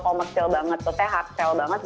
katanya hard sell banget